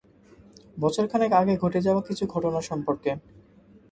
বছরখানেক আগে ঘটে যাওয়া কিছু ঘটনা সম্পর্কে।